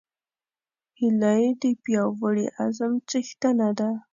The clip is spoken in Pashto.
هیلۍ د پیاوړي عزم څښتنه ده